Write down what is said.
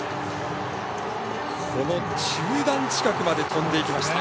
この中段近くまで飛んでいきました。